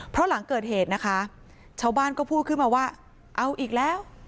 เพราะหลังเกิดเหตุนะคะชาวบ้านก็พูดขึ้นมาว่าเอาอีกแล้ว